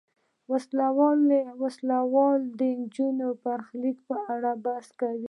وسله والو د نجلۍ برخلیک په اړه بحث کاوه.